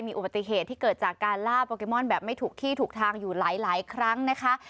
อุบัติเหตุที่เกิดจากการล่าโปเกมอนแบบไม่ถูกที่ถูกทางอยู่หลายครั้งนะคะ